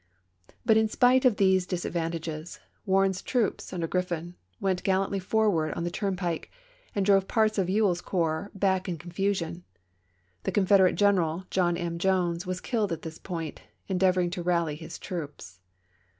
^ But, in spite of these disadvantages, Warren's troops, under Grriffin, went gallantly forward on the "Memoir turnpike, and drove parts of E well's corps back in Year of fhe confusion ; the Confederate general John M. Jones p le. was killed at this point, endeavoring to rally his troops.